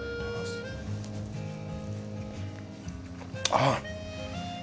ああ！